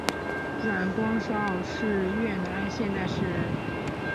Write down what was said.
阮光韶是越南现代诗人。